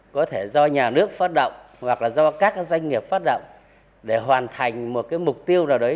có thể do nhà nước phát động hoặc là do các doanh nghiệp phát động để hoàn thành một mục tiêu nào đấy